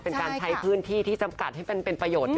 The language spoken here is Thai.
เป็นการใช้พื้นที่ที่จำกัดให้มันเป็นประโยชน์